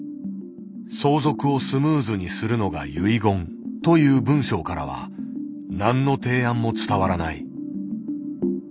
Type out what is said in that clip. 「相続をスムーズにするのが遺言」という文章からは何の提案も伝わらない。